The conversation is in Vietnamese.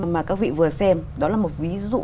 mà các vị vừa xem đó là một ví dụ